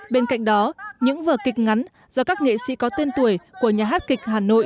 bên cạnh đó những vở kịch ngắn do các nghệ sĩ có tên tuổi của nhà hát kịch hà nội